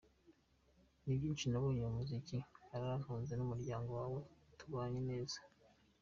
Ni byinshi nabonye, umuziki urantunze n’umuryango kandi tubayeho neza.